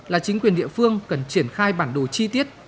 là chính quyền địa phương cần triển khai bản đồ chi tiết